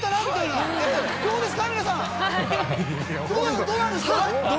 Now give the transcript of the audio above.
はいどうですか？